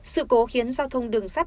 sự cố khiến giao thông đường sắt